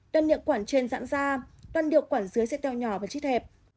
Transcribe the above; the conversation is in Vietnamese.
đoạn niệu quản trên dãn ra đoạn niệu quản dưới sẽ teo nhỏ và chết hẹp